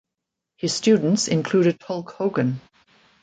His students included Hulk Hogan.